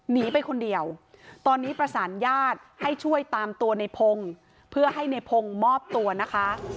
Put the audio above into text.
หนีไปคนเดียวตอนนี้ประสานญาติให้ช่วยตามตัวในพงศ์เพื่อให้ในพงศ์มอบตัวนะคะ